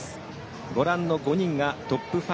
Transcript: ご覧の５人がトップ５。